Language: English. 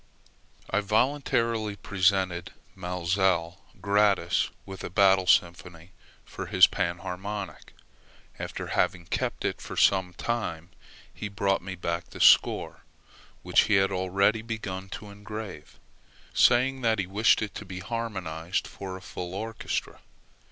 I voluntarily presented Maelzel gratis with a "Battle Symphony" for his panharmonica. After having kept it for some time, he brought me back the score, which he had already begun to engrave, saying that he wished it to be harmonized for a full orchestra.